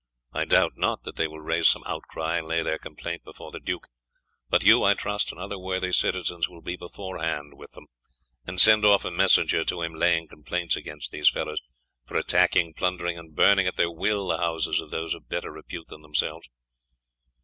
I doubt not that they will raise some outcry and lay their complaint before the duke; but you, I trust, and other worthy citizens, will be beforehand with them, and send off a messenger to him laying complaints against these fellows for attacking, plundering, and burning at their will the houses of those of better repute than themselves.